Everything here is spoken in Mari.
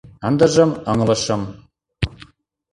Ындыжым ыҥлышым...